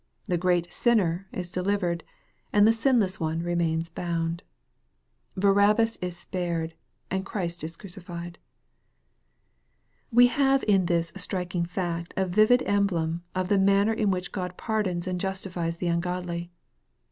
The great sinner is delivered, and the sin less one remains bound. Barabbas is spared, and Christ is crucified. We have in this striking fact a vivid emblem of the manner in which God pardons and justifies the ungodly.